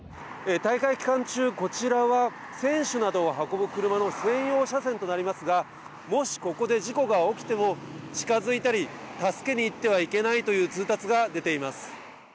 大会期間中、こちらは選手などを運ぶ車の専用車線となりますがもしここで事故が起きても近づいたり助けに行ってはいけないという通達が出ています。